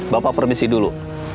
bapak permisi dulu